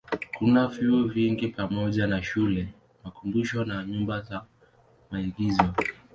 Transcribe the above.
Kuna vyuo vingi pamoja na shule, makumbusho na nyumba za maigizo.